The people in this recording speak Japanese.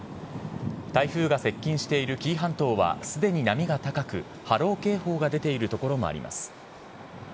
台風が接近している紀伊半島はすでに波が高く、波浪警報が出ている所もあります。